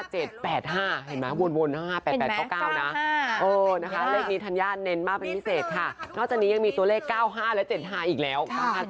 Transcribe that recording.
เห็นไหมวน๕๘๘๙๙นะเลขนี้ธัญญาเน้นมากเป็นพิเศษค่ะนอกจากนี้ยังมีตัวเลข๙๕และ๗๕อีกแล้ว